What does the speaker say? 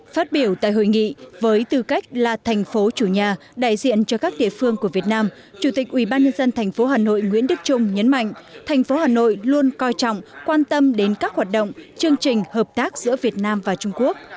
phát biểu tại hội nghị với tư cách là thành phố chủ nhà đại diện cho các địa phương của việt nam chủ tịch ubnd tp hà nội nguyễn đức trung nhấn mạnh thành phố hà nội luôn coi trọng quan tâm đến các hoạt động chương trình hợp tác giữa việt nam và trung quốc